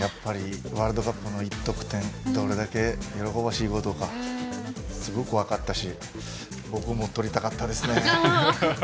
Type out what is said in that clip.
ワールドカップの１得点どれだけ喜ばしいことかすごく分かったし僕も取りたかったですね。